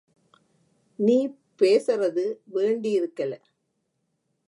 நீ பேசறது வேண்டியிருக்கலெ.